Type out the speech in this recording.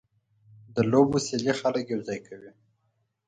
د لوبو سیالۍ خلک یوځای کوي.